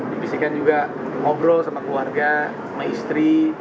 dibisikkan juga ngobrol sama keluarga sama istri